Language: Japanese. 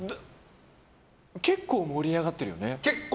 結構盛り上がってるよね。